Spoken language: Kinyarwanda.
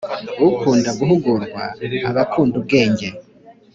ukunda guhugurwa aba akunda ubwenge,